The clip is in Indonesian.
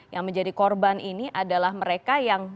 yang menjadi korban ini adalah mereka yang